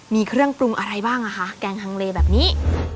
มีเครื่องปรุงอะไรบ้างอ่ะคะแกงฮังเลแบบนี้